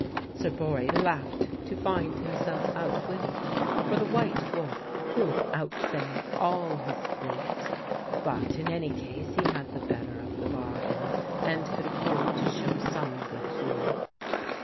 Sir Borre laughed to find himself outwitted, for the White Wolf could outsail all his fleet. But in any case he had the better of the bargain and could afford to show some good humour.